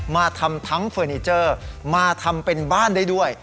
มาทำทั้งเฟอร์นิเจอร์มาทำเป็นบ้านได้ด้วย